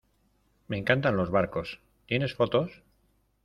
me encantan los barcos. ¿ tienes fotos?